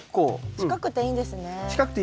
近くていいですよ。